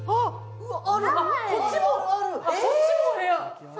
こっちもお部屋。